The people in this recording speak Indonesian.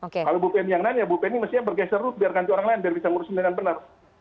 kalau bupen yang lain ya bupen ini mestinya bergeser rute biar ganti orang lain biar bisa ngurusin dengan benar